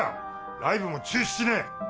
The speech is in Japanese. ライブも中止しねえ！